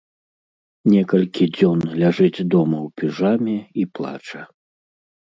Некалькі дзён ляжыць дома ў піжаме і плача.